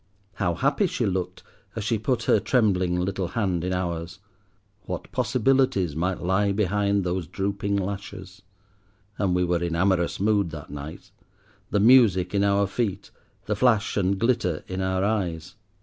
How happy she looked as she put her trembling little hand in ours. What possibilities might lie behind those drooping lashes. And we were in amorous mood that night, the music in our feet, the flash and glitter in our eyes.